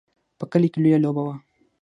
په کلي کې لویه لوبه وه.